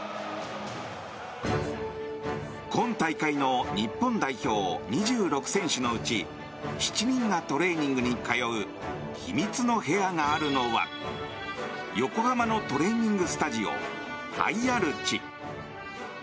今大会の日本代表２６選手のうち７選手がトレーニングに通う秘密の部屋があるのは横浜にあるトレーニングスタジオハイアルチ。